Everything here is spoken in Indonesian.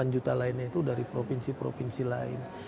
delapan juta lainnya itu dari provinsi provinsi lain